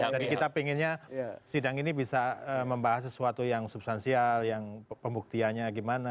jadi kita pinginnya sidang ini bisa membahas sesuatu yang substansial yang pembuktianya gimana